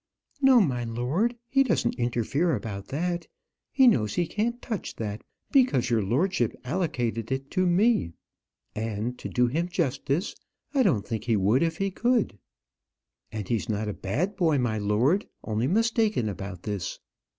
"No, my lord; he doesn't interfere about that. He knows he can't touch that, because your lordship allocated it to me and, to do him justice, I don't think he would if he could. And he's not a bad boy, my lord; only mistaken about this."